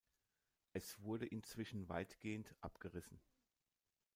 Es wurde inzwischen weitgehend abgerissen.